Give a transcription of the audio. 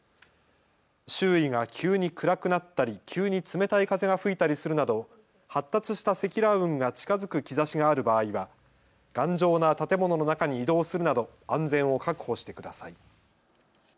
周囲が急に暗くなったり急に冷たい風が吹いたりするなど発達した積乱雲が近づく兆しがある場合は頑丈な建物の中に移動するなど安全を確保してください。